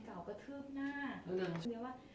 เขาก็กระทั่งของหนี้